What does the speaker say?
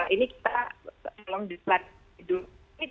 ini kita tolong dikatakan dulu